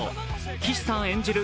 岸さん演じる